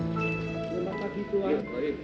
selamat pagi tuhan